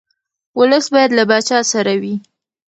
ولس باید له پاچا سره وي.